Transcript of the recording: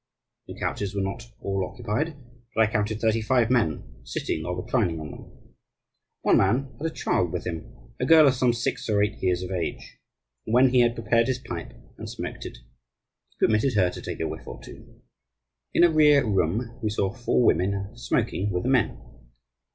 The couches were not all occupied, but I counted thirty five men sitting or reclining on them. One man had a child with him, a girl of some six or eight years of age, and when he had prepared his pipe and smoked it he permitted her to take a whiff or two. In a rear room we saw four women smoking with the men.